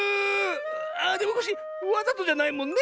ああでもコッシーわざとじゃないもんね？